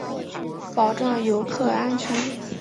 保障游客安全